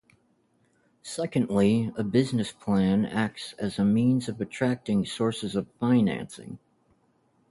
Secondly, a business plan acts as a means of attracting sources of financing.